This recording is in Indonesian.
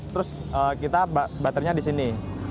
terus baterainya disini